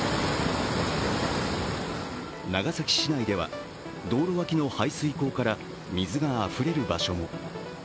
長崎市内では道路脇の排水溝から水があふれる場所も。